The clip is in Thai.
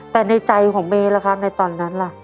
แต่ในใจของเมย์ล่ะครับในตอนนั้นล่ะ